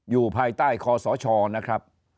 อยู่ภายใต้คอสชนะครับ